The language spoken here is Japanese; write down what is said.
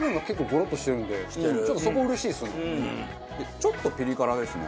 ちょっとピリ辛ですね。